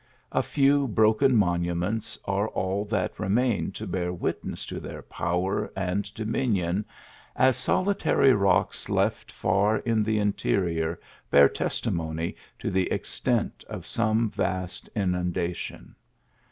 A few broken monuments are all that remain to bear witness to their power and dominion, i,s solitary rocks left far in the interior bear testi mony to the extent of some vast inundation.